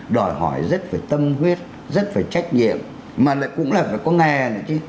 đòi hỏi rất phải tâm huyết rất phải trách nhiệm mà lại cũng là phải có nghe nữa chứ